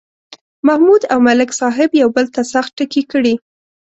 محمود او ملک صاحب یو بل ته سخت ټکي کړي.